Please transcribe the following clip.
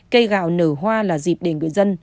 cây gạo nở hoa là dịp để người dân